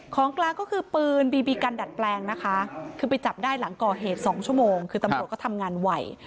ของกลางก็คือปืนบีบีกันดัดแปลงนะคะคือไปจับได้หลังก่อเหตุ๒ชั่วโมงคือตำรวจก็ทำงานไหว